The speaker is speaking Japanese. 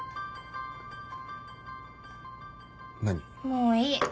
もういい。